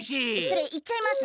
それいっちゃいます！？